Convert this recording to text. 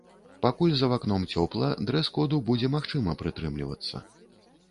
Пакуль за вакном цёпла, дрэс-коду будзе магчыма прытрымлівацца.